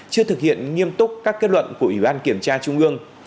chưa thực hiện nghiêm túc các kết luận của ủy ban kiểm tra trung ương